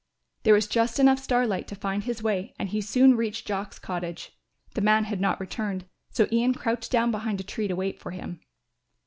There was just enough starlight to find his way and he soon reached Jock's cottage. The man had not returned, so Ian crouched down behind a tree to wait for him.